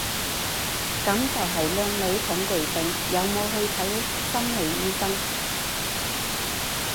噉就係靚女恐懼症，有冇去睇心理醫生？